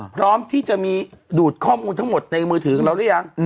พร้อมที่จะมีดูดข้อมูลทั้งหมดในมือถือของเราหรือยัง